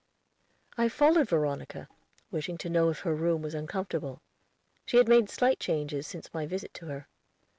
I followed Veronica, wishing to know if her room was uncomfortable. She had made slight changes since my visit to her.